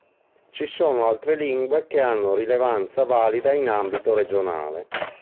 Ci sono altre lingue che hanno rilevanza valida in ambito regionale.